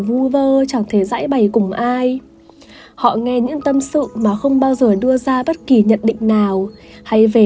vuver chẳng thể giải bày cùng ai họ nghe những tâm sự mà không bao giờ đưa ra bất kỳ nhận định nào hay về